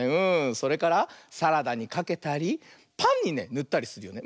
それからサラダにかけたりパンにねぬったりするよね。